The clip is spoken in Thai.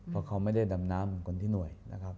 เพราะเขาไม่ได้ดำน้ำคนที่หน่วยนะครับ